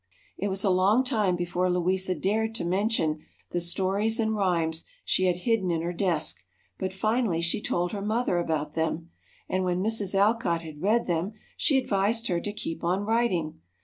It was a long time before Louisa dared to mention the stories and rhymes she had hidden in her desk but finally she told her mother about them, and when Mrs. Alcott had read them, she advised her to keep on writing.